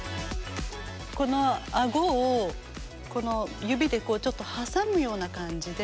このあごを指でちょっと挟むような感じで。